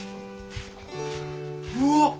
うわっ！